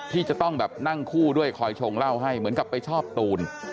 ที่จะต้องแบบนั่งคู่ด้วยคอยชงเหล้าให้เหมือนกับไปชอบตูน